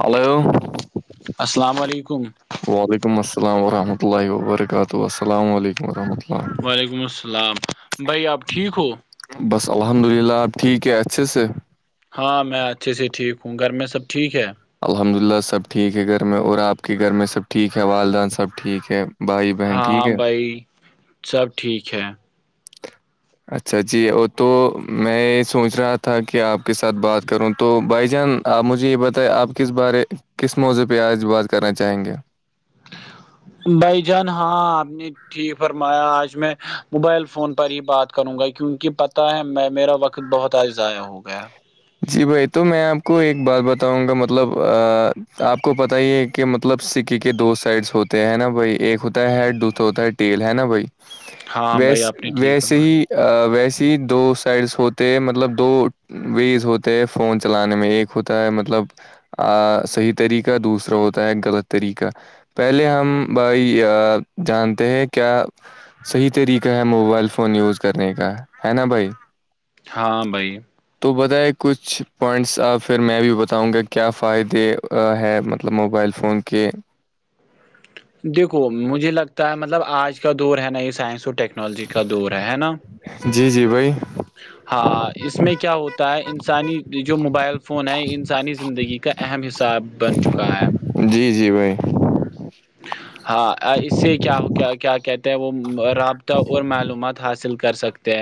hello السلام علیکم وعلیکم السلام وورحمۃ اللہ وبرکاتہ السلام علیکم وورحمۃ اللہ وعلیکم السلام بھائی آپ ٹھیک ہو بس الحمد للہ آپ ٹھیک ہے اچھے سے ہاں میں اچھے سے ٹھیک ہوں گھر میں سب ٹھیک ہے الحمد للہ سب ٹھیک ہے گھر میں اور آپ کے گھر میں سب ٹھیک ہے والدہ سب ٹھیک ہے بھائی بہن ٹھیک ہاں ہے بھائی سب ٹھیک ہے اچھا جی وہ تو میں یہ سوچ رہا تھا کہ آپ کے ساتھ بات کروں تو بھائی جان آپ مجھے یہ بتائیں آپ کس بارے کس موضوع پہ آج بات کرنا چاہیں گے بائی جان ہاں اپ نے ٹھیک ہےرمایا آج میں موبائل فون پر ہی بات کروں گا کیونکہ پتہ ہے میں میرا وقت بہت آج ضائع ہو گیا جی بھائی تو میں آپ کو ایک بات بتاؤں گا مطلب آپ کو پتا ہی ہے کہ مطلب سکے کے دو سائڈس ہوتے ہیں نا بھائی ایک ہوتا ہے دوسرا ہوتا ہے تیل ہے نا بھائی ہاں ویس بھائی آپ نے ٹھیک ویسے فرمایا ہی ویسی ہی دو سائڈس ہوتے ہیں مطلب دو ویز ہوتے ہیں فون چلانے میں ایک ہوتا ہے مطلب صحیح طریقہ دوسرا ہوتا ہے ایک غلط طریقہ پہلے ہم ب جانتے ہیں کیا صحیح طریقہ ہے موبائل فون یوز کرنے کا ہے نا بھائی ہاں بھائی تو بدا ایک کچھ پوائنٹس پھر میں بھی بتاؤں گا کیا فائدے ہے مطلب موبائل فون کے دیکھو مجھے لگتا ہے مطلب آج کا دور ہے نئی سائنس اور ٹیکن تٹیکنالوجی کا دور ہے نا جی جی بھائی ہاں اس میں کیا ہوتا ہے انسانی جو موبائل فون ہے انسانی زندگی کا اہم حساب بن چکا ہے جی جی بھائی [inaudible] ہاں اس سے کیا ہو کیا کہتے ہیں وہ رابطہ اور معلومات حاصل کر سکتے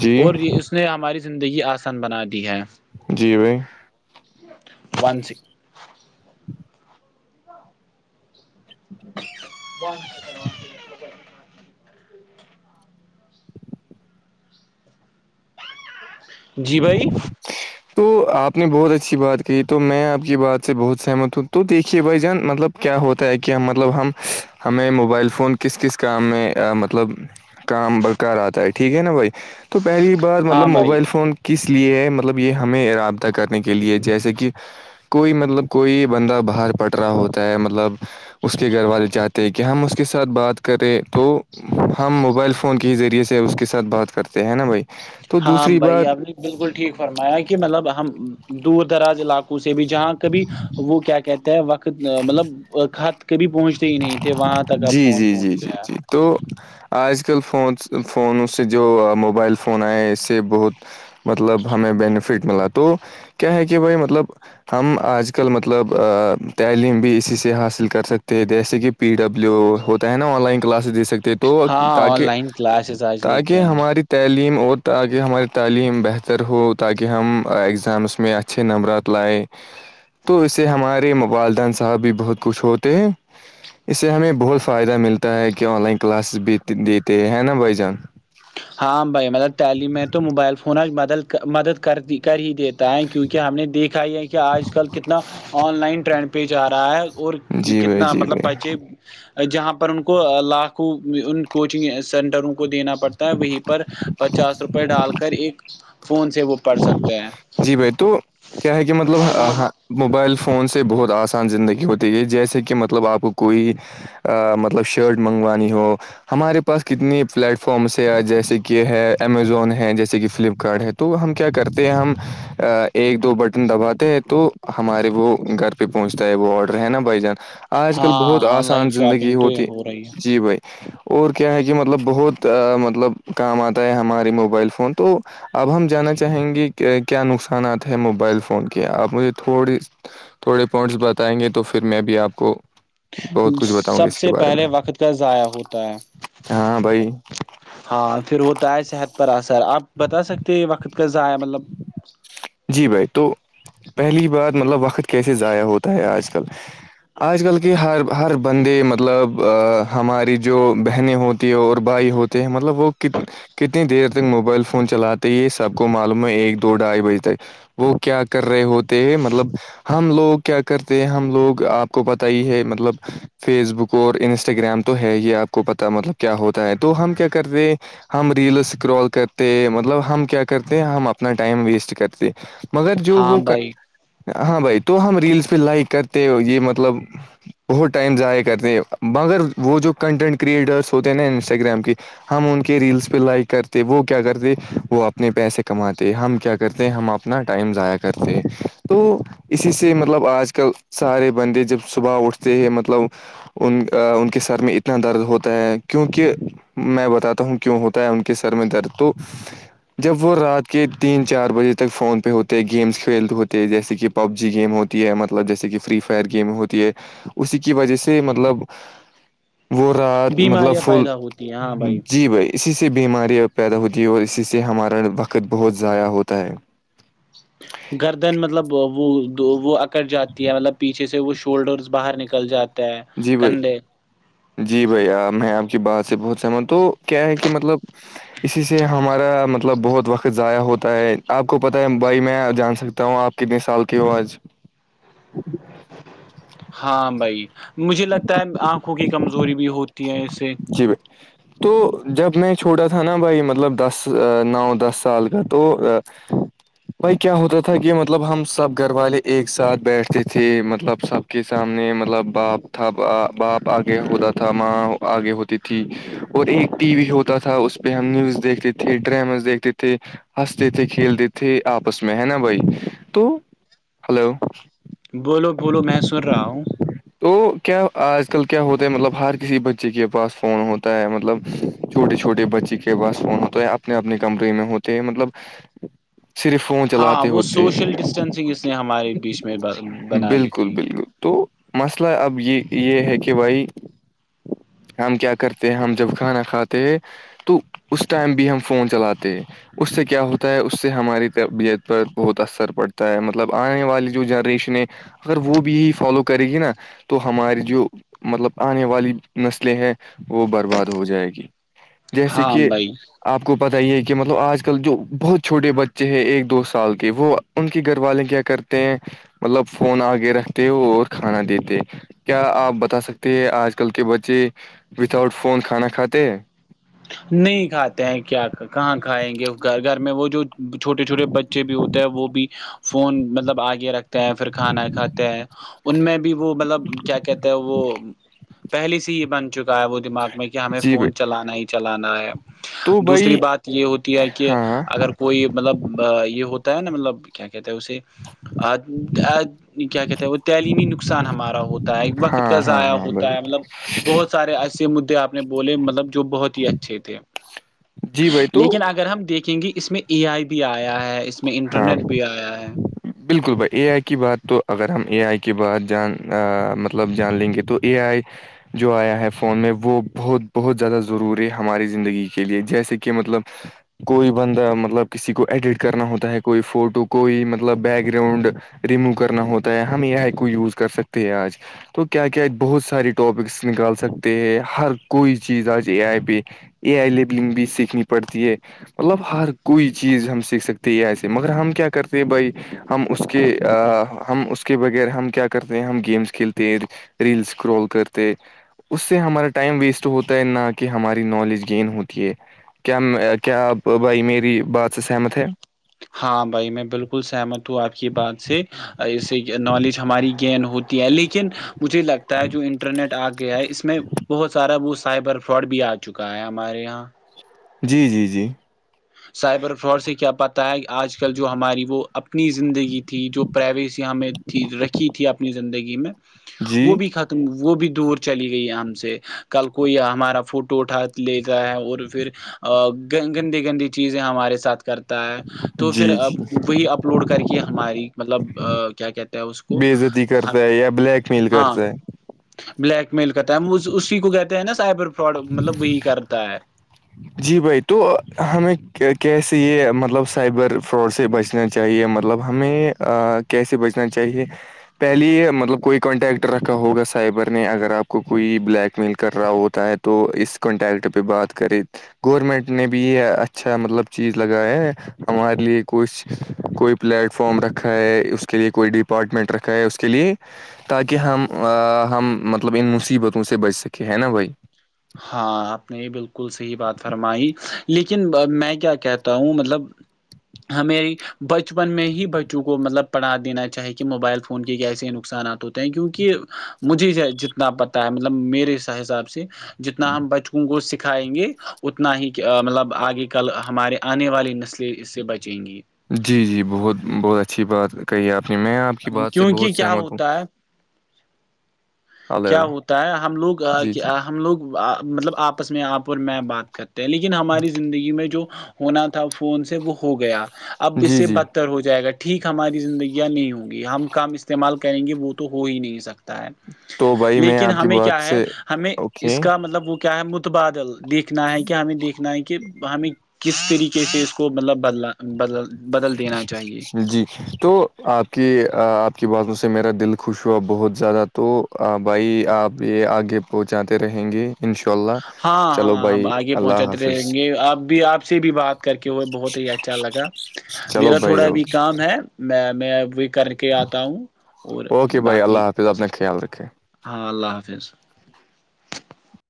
جی اور یہ اس نے ہماری زندگی آسان بنا دی ہے جی بھائی ون سکس ب جی بھائی [inaudible] تو آپ نے بہت اچھی بات کہی تو میں آپ کی بات سے بہت سہمت ہوں تو دیکھیے بھائی جان مطلب کیا ہوتا ہے کہ مطلب ہم ہمیں موبائل فون کس کس کام میں مطلب کام برکار آتا ہے ٹھیک ہے نا بھائی تو پہلی بار مطلب ہاں بھائی موبائل فون کس لیے ہے مطلب یہ ہمیں رابطہ کرنے کے لیے جیسے کہ کوئی مطلب کوئی بندہ باہر پٹ رہا ہوتا ہے مطلب اس کے گھر والے چاہتے کہ ہم اس کے ساتھ بات کریں تو ہم موبائل فون کے ہی ذریعے سے اس کے ساتھ بات کرتے ہیں نا بھائی تو ہاں دوسری بھائی بات آپ نے بالکل ٹھیک فرمایا کہ مطلب ہم دور دراز علاقوں سے بھی جہاں کبھی وہ کیا کہتے ہیں وقت مطلب خط کبھی پہنچتے ہی نہیں تھے وہاں تک آپ جی فون جی جی پہنچ جی گیا جی تو آج کل فون فونوں سے جو موبائل فون آئے اس سے بہت مطلب ہمیں بینیفٹ ملا تو کیا ہے کہ بھائی مطلب ہم آج کل مطلب تعلیم بھی اسی سے حاصل کر سکتے ہیں جیسے کہ پی ڈبلو ہوتا ہے نا آن لائن کلاس دے سکتے تو ہاں آن تاکہ لائن کلاسز آج لیتے تاکہ ہیں ہماری تعلیم اور تاکہ ہماری تعلیم بہتر ہو تاکہ ہم اگزامس میں اچھ اچھے نمبرات لائے تو اس سے ہمارے والدین صاحب بھی بہت کچھ ہوتے ہیں اس سے ہمیں بہت فائدہ ملتا ہے کہ آن لائن کلاسز بھی دیتے ہیں نا بھائی جان ہاں بھائی مطلب تعلیم میں تو موبائل فونج مدد مدد کرتی کر ہی دیتا ہے کیونکہ ہم نے دیکھا یہ ہے کہ آج کل کتنا آن لائن ٹرینڈ پہ جا رہا ہے اور جی بھائی کتنا جی مطلب بھائی بچے جہاں پر ان کو لاکھوں ان کوچنگ سینٹروں کو دینا پڑتا وہیں پر پچاس روپئے ڈال کر ایک فون سے وہ پڑ سکتا جی بھائی تو کیا ہے کہ مطلب ہاں موبائل فون سے بہت آسان زندگی ہوتی ہے جیسے کہ مطلب آپ کوئی مطلب شرٹ منگوانی ہو ہمارے پاس کتنی پلیٹ فارامس جیسے کہ ہے امیزون ہے جیسے کہ فلپکارٹ ہے تو ہم کیا کرتے ہیں ہم ایک دو بٹن دباتے ہیں تو ہمارے وہ گھر پہ پہنچتا ہے وہ آڈر ہے نا بھائی جان آج کل بہت ہاں آن لائن آسان شاپنگ زندگی تو یہ ہوتی ہو رہی جی بھئی اور کیا ہے کہ مطلب بہت مطلب کام آتا ہے ہمارے موبائل فون تو اب ہم جانا چاہیں گے کہ کیا نقصانات ہیں موبائل فون کے آپ مجھے تھوڑی تھوڑے پوائنٹس بتائیں گے تو پھر میں بھی آپ کو بہت کچھ بتاؤں گا سب اس کے سے بارے پہلے میں وقت کا ضائع ہوتا ہے ہاں بھائی ہاں پھر ہوتا ہے صحت پر اثر آپ بتا سکتے وقت کا ضائع مطلب جی بھائی تو پہلی بار مطلب وقت کیسے ضائع ہوتا ہے آج کل آج کل کے ہر ہر بندے مطلب ہماری جو بہنیں ہوتی ہیں اور بھائی ہوتے ہیں مطلب وہ کت کتنی دیر تک موبائل فون چلاتے یہ سب کو معلوم ہے ایک دو ڈھائی بجے تک وہ کیا کر رہے ہوتے ہیں مطلب ہم لوگ کیا کرتے ہیں ہم لوگ آپ کو پتا ہی ہے مطلب فیس بک اور انسٹاگرام تو ہے یہ آپ کو پتا مطلب کیا ہوتا ہے تو ہم کیا کرتے ہم ریل اسکرول کرتے مطلب ہم کیا کرتے ہم اپنا ٹائم ویسٹ کرتے مگر جو ہاں وہ بھائی ہاں بھائی تو ہم ریلس پہ لائک کرتے ہو یہ مطلب بہت ٹائم ضائع کرتے ہیں مگر وہ جو کنٹینٹ کریئٹرس ہوتے ہیں نا انسٹاگرام کے ہم ان کے ریلس پہ لائک کرتے وہ کیا کرتے وہ اپنے پیسے کماتے کہ ہم کیا کرتے ہیں ہم اپنا ٹائم ضائع کرتے ہیں تو اسی سے مطلب آج کل سارے بندے جب صبح اٹھتے ہیں مطلب ان ان کے سر میں اتنا درد ہوتا ہے کیونکہ میں بتاتا ہوں کیوں ہوتا ہے ان کے سر میں درد تو جب وہ رات کہ تین چار بجے تک فون پہ ہوتے گیمس کھیل ہوتے ہیں جیسے کہ پب جی گیم ہو ہے مطلب جیسے کہ فری فائر گیم ہوتی ہے اسی کی وجہ سے مطلب وہ رات مطلب بیماریاں فل پیدا ہوتی ہیں ہاں جی بھائی اسی سے بیماریاں پیدا ہوتی ہیں اور اسی سے ہمارا وقت بہت ضائع ہوتا ہے گردن مطلب وہ وہ اکٹ جاتی ہے مطلب پیچھے سے وہ شولڈرس باہر نکل جاتے ہیں جی بھائی کندھے جی بھائی میں آپ کی بات سے بہت سہمت تو کیا ہے کہ مطلب اسی سے ہمارا مطلب بہت وقت ضائع ہوتا ہے آپ کو پتاہ ہے بھائی میں جان سکتا ہوں آپ کتنے سال کی ہو آج ہاں بھائی مجھے لگتا ہے آنکھوں کی کمزوری بھی ہوتی ہے اس سے جی ب [inaudible] تو جب میں چھوٹا تھا نا بھائی مطلب دس نو دس سال کا تو ہاں [inaudible] بھائی کیا ہوتا تھا کہ مطلب ہم سب گھر والے ایک ساتھ بیٹھتے تھے مطلب سب کے سامنے مطلب باپ تھا باپ آگے ہوتا تھا ماں آگے ہوتی تھی اور ایک ٹی وی ہوتا تھا اس پہ ہم نیوز دیکھتے تھے ڈراماز دیکھتے تھے ہنستے تھے کھیلتے تھے آپس میں ہے نا بھائی تو ہلو بولو بولو میں سن رہا ہوں تو کیا آج کل کیا ہوتا ہے مطلب ہر کسی بچے کے پاس فون ہوتا ہے مطلب چھوٹے چھوٹے بچے کے پاس فون ہوتا ہے اپنے اپنے کمرے میں ہوتے ہیں مطلب صرف فون ہاں چلاتے وہ ہوتے سوشل ڈسٹینسنگ اس نے ہمارے بیچ میں بنا بالکل لکھی بالکل تو مسئلہ اب یہ یہ ہے کہ بھائی ہم کیا کرتے ہیں ہم جب کھانا کھاتے ہیں تو اس ٹائم بھی ہم فون چلاتے اس سے کیا ہوتا ہے اس سے ہماری تربیعت پر بہت اثر پڑتا ہے مطلب آنے والی جو جنریشن ہے اگر وہ بھی یہ فالو کرے گی نا تو ہماری جو مطلب آنے والی نسلیں ہیں وہ برباد ہو جائے گی جیسے ہاں کہ بھائی آپ کو پت یہ کہ مطلب آج کل جو بہت چھوٹے بچے ہیں ایک دو سال کے وہ ان کے گھر والے کیا کرتے ہیں مطلب فون آگے رکھتے اور کھانا دیتے کیا آپ بتا سکتے ہیں آج کل کے بچے وتؤٹ فون کانا کھاتے نہیں کھاتے ہیں کیا کہاں کھائیں گے گھر گھر میں وہ جو چھوٹے چھوٹے بچے بھی ہوتے وہ بھی فون مطلب آگ رکھتے ہیں پھر کھانا کھاتے ہیں ان میں بھی وہ مطلب کیا کہتے ہیں وہ پہلے سے ہی بن چکا ہے وہ دماغ میں کہ ہمیں جی بھائی فون چلانا ہی چلانا ہے تو دوسری بھائی بات یہ ہوتی ہے کہ ہاں اگر کوئی مطلب یہ ہوتا ہے نا مطلب کیا کہتے ہے اسے کیا کہتے ہیں وہ تعلیمی نقصان ہمارا ہوتا ہے وقت کا ہاں ہاں ضائع ہاں ہوتا بھائی ہے مطلب بہت سارے ایسے مدے آ نے بولے مطلب جو بہت اچھے تھے جی بھائی تو لیکن اگر ہم دیکھیں گے اس میں ای آئی بھی آیا ہے اس میں ہاں انٹرنیٹ بھی آیا ہے بالکل بھائی اے آئی کی بات تو اگر ہم اے آئی کی بعات جان مطلب جان لیں گے تو اے آئی جو آیا ہے فون میں وہ بہت بہت زیادہ ضروری ہے ہماری زندگی کے لیے جیسے کہ مطلب کوئی بندہ مطلب کسی کو ایڈٹ کرنا ہوتا ہے کوئی فوٹو کوئی مطلب مطلب بیک گراؤنڈ ریموو کرنا ہوتا ہے ہم یہ کو یوز کر سکتے ہیں آج تو کیا کیا آج بہت سارے ٹاپکس نکال سکتے ہیں ہر کوئی چیز آج ا آئے پہ اے آئی لیبلنگ بھی سیکھنی پڑتی ہے مطلب ہر کوئی چیز ہم سیکھ سکتے ہے ایسے مگر ہم کیا کرتے ہیں بھائی ہم اس کے ہم اس کے بغیر ہم کیا کرتے ہیں ہم گیمس کھیلتے ہیں ریلس کررول کرتے اس سے ہمارا ٹائم ویسٹ ہوتا ہے نہ کہ ہماری نالج گین ہوتی ہے کیا کیا آپ بھائی میری بات سے سہمت ہے ہاں بھائی میں بالکل سہمت ہوں آپ کی بات سے اسے نالج ہماری گین ہوتی ہے لیکن مجھے لگتا ہے جو انٹرنیٹ آ گیا ہے اس میں بہت سارا وہ سائبر فراڈ بھی آ گیا چکا ہے ہمارے یہاں جی جی جی سائبر فراڈ سے کیا پاتا ہے آج کل جو ہماری وہ اپنی زندگی تھی جو پرائیویسی ہمیں رکھی تھی اپنی زندگی میں وہ جی بھی کھاتات وہ بھی دور چلی گئی ہے ہم سے کل کوئی ہمارا فوٹو اٹھا لیتا ہے اور پھر ا گندی گندی چیزیں ہمارے ساتھ کرتا ہے تو پھر جی جی وہی اپلوڈ کر کے ہماری مطلب کیا کہتے ہیں اس کو بےزتی کرتا ہے یا بلیک میل ہاں کرتا ہے بلیک میل کرتا ہے اسی کو کہتے ہیں نا سائبر فراڈ مطلب وہی کرتا ہے جی بھائی تو ہمیں کیسے یہ مطلب سائبر فراڈ سے بچ چنا چاہیے مطلب ہمیں کیسے بچنا چاہیے پہلے مطلب کوئی کانٹیکٹ رکھا ہوگا سائبر نے اگر آپ کو کوئی بلیک میل کر رہا ہوتا ہے تو اس کانٹیکٹ پہ بات کرے گورنمنٹ نے بھی یہ اچھا مطلب چیز لگایا ہے ہمارے لیے کچھ کوئی پلیٹ فارم رکھا ہے اس کے لیے کوئی ڈپارٹمنٹ رکھا اس کے لیے تاکہ ہم ہم مطلب ان مصیبتوں سے بچ سکیں ہے نا بھائی ہاں آپ نے یہ بالکل صحی بات فرمائی لیکن میں کیا کہتا ہوں مطلب ہمری بچپن میں ہی بچوں کو مطلب پڑھا دینا چاہے کہ موبائل فون کے کیسے نقصانات ہوتے کیونک مجھے جتنا پتا ہے مطلب میرے حساب سے جتنا ہم بچکوں کو سکھائیں گے اتنا ہی مطلب آگے کل ہمارے آنے والی نسلیں اس سے بچیں گی جی جی بہت بہت اچھی بات کہی آپ نے میں آپ کی بات سے کیونکہ بہت کیا سہمت ہوں ہوتا ہے کیا ہلو ہوتا ہے ہم لوگ جی جی ہم لوگ مطلب آپ آپس میں آپ اور میں بات کرتے ہیں لیکن ہماری زندگی میں جو ہونا تھا فون سے وہ ہو گیا اب جی اسے بدتا جی بہتر ہو جائے گا ٹھیک ہماری زندگیاں نہیں ہوں گی ہم کام استعمال کریں گے وہ تو ہو ہی نہیں سکتا ہے تو بھائی میں لیکن آپ کی ہمیں کیا بات ہے سے ہمیں اس اوکے کا مطلب وہ کیا ہے متبادل دیکھنا ہے کیا ہمیں دیکھنا ہے کہ ہمیں کس طریقے سے اس کو مطلب بدلا بدل بدل دینا چاہیے جی تو آپ کی آپ کی باتوں سے میرا دل خوش ہوا بہت زیادہ تو بھائی آپ یہ آگے پہنچاتے رہیں گے انشاء اللہ ہاں چلو ہاں ا بھائی آگے اللہ پہنچاتے رہیں حافظ گے اپ بھی آپ سے بھی بات کر کے ہوئے بہت ہی اچھا لگا چلو میرا بھائی تھوڑا بھی اوکے کام ہے میں میں بھی کر کے آتا ہوں اور اوکے بھائی اللہ باقی حافظ اپنا خیال رکھے ہاں اللہ حافظ